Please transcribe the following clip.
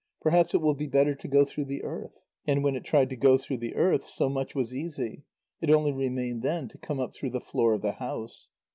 Perhaps it will be better to go through the earth." And when it tried to go through the earth, so much was easy; it only remained then to come up through the floor of the house.